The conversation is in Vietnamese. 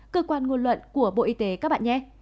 cơ quan ngôn luận của bộ y tế các bạn nghe